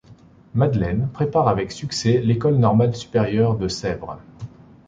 Madeleine prépare avec succès l'école normale supérieure de Sèvres.